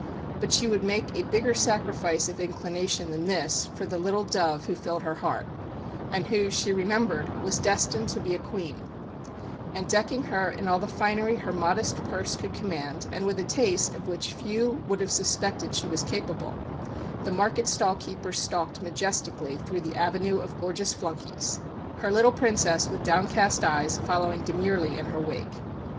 But she would make a bigger sacrifice of inclination than this for the "little dove" who filled her heart, and who, she remembered, was destined to be a Queen; and decking her in all the finery her modest purse could command and with a taste of which few would have suspected she was capable, the market stall keeper stalked majestically through the avenue of gorgeous flunkeys, her little Princess with downcast eyes following demurely in her wake.